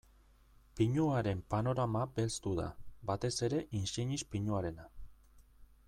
Pinuaren panorama belztu da, batez ere insignis pinuarena.